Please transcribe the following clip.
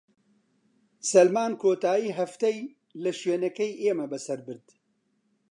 سەلمان کۆتاییی هەفتەی لە شوێنەکەی ئێمە بەسەر برد.